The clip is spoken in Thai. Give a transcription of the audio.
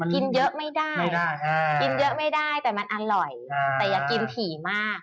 กินเยอะไม่ได้แต่มันอร่อยแต่อยากกินถี่มาก